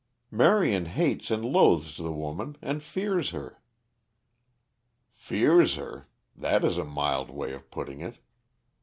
"Marion hates and loathes the woman, and fears her." "Fears her! That is a mild way of putting it.